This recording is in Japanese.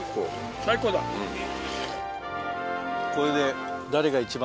これで。